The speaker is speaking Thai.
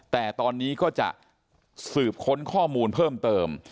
แต่ตอนนี้ก็จะสืบค้นข้อมูลเพิ่มเติม